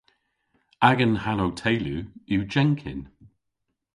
Agan hanow teylu yw Jenkin.